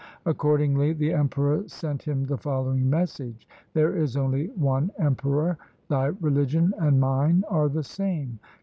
Accord ingly the Emperor sent him the following message. ' There is only one Emperor. Thy religion and mine are the same.